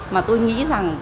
mà tôi nghĩ rằng